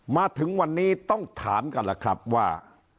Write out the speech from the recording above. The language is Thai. มาถึงวันนี้ต้องถามกันล่ะครับว่า